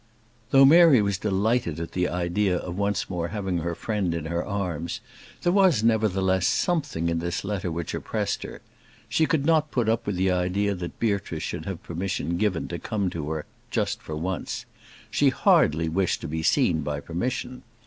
Though Mary was delighted at the idea of once more having her friend in her arms, there was, nevertheless, something in this letter which oppressed her. She could not put up with the idea that Beatrice should have permission given to come to her just for once. She hardly wished to be seen by permission.